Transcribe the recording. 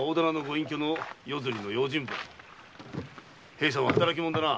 平さんは働き者だな。